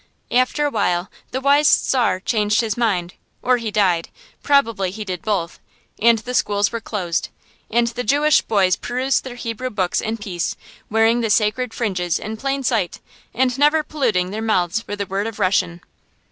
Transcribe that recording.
After a while the wise Czar changed his mind, or he died, probably he did both, and the schools were closed, and the Jewish boys perused their Hebrew books in peace, wearing the sacred fringes in plain sight, and never polluting their mouths with a word of Russian.